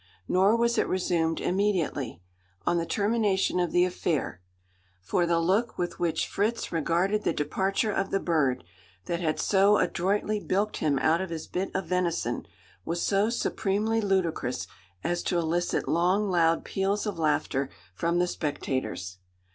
Nor was it resumed immediately, on the termination of the affair: for the look with which Fritz regarded the departure of the bird, that had so adroitly bilked him out of his bit of venison, was so supremely ludicrous, as to elicit long loud peals of laughter from the spectators.